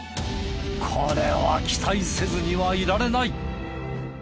これは期待せずにはいられない！